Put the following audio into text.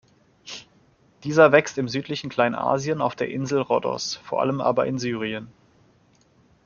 Dieser wächst im südlichen Kleinasien, auf der Insel Rhodos, vor allem aber in Syrien.